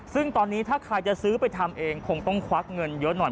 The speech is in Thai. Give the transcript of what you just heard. ซึ่งตอนนี้ถ้าใครจะซื้อไปทำเองคงต้องควักเงินเยอะหน่อย